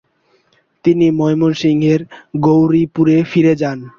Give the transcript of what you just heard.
তিনি ময়মনসিংহের গৌরীপুরে ফিরে যান।